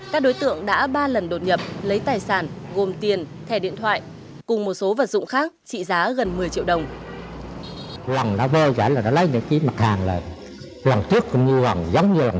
các đối tượng đã ba lần đột nhập lấy tài sản gồm tiền thẻ điện thoại cùng một số vật dụng khác trị giá gần một mươi triệu đồng